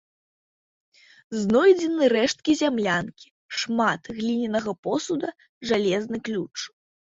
Знойдзены рэшткі зямлянкі, шмат глінянага посуду, жалезны ключ.